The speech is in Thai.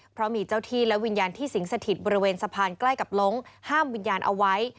เพราะมีเจ้าที่และวิญญาณที่สิงสถิตบริเวณสะพานใกล้กับล้งห้ามวิญญาณเอาไว้